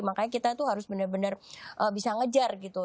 makanya kita tuh harus benar benar bisa ngejar gitu